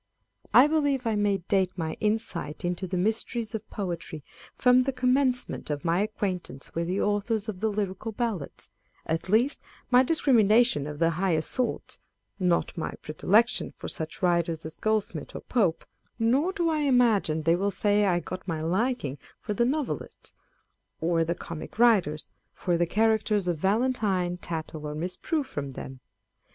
I believe I may date my insight into the mysteries of poetry from the commencement of my acquaintance with the Authors of the Lyrical Ballads ; at least, my discrimi nation of the higher sorts â€" not my predilection for such writers as Goldsmith or Pope : nor do I imagine they will say I got my liking for the Novelists, or the comic writers, â€" for the characters of Valentine, Tattle, or Miss Prue, from them.